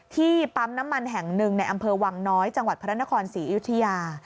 ปั๊มน้ำมันแห่งหนึ่งในอำเภอวังน้อยจังหวัดพระนครศรีอยุธยา